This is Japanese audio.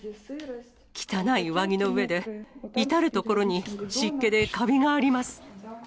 汚い上着の上で、至る所に湿気でかびがあります。